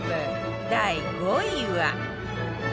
第５位は